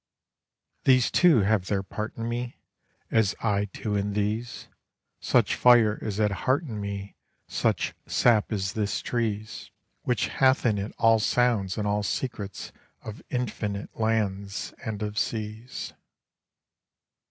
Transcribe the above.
These too have their part in me, As I too in these; Such fire is at heart in me, Such sap is this tree's, Which hath in it all sounds and all secrets of infinite lands and of seas.